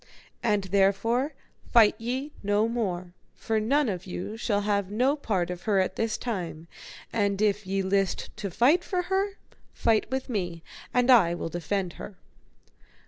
And therefore fight ye no more, for none of you shall have no part of her at this time; and if ye list to fight for her, fight with me, and I will defend her.